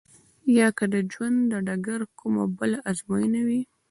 يا که د ژوند د ډګر کومه بله ازموينه وي.